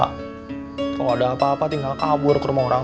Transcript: kalau ada apa apa tinggal kabur ke rumah orang